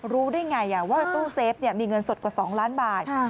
รู้ได้ไงว่าตู้เซฟมีเงินสดกว่า๒ล้านบาท